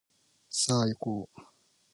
さあいこう